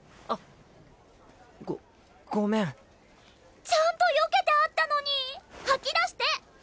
あごごめんちゃんとよけてあったのに吐き出して！